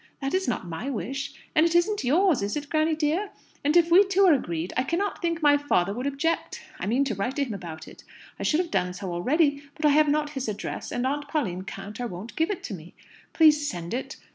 That is not my wish. And it isn't yours is it, granny dear? And if we two are agreed, I cannot think my father would object. I mean to write to him about it. I should have done so already, but I have not his address, and Aunt Pauline can't or won't give it to me. Please send it.